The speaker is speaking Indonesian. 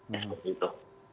ya seperti itu